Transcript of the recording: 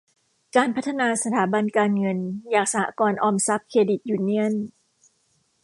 การพัฒนาสถาบันการเงินอย่างสหกรณ์ออมทรัพย์ เครดิตยูเนียน